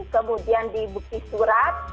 kemudian di bukti surat